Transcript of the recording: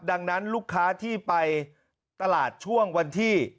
ดังนั้นลูกค้าที่ไปตลาดช่วงวันที่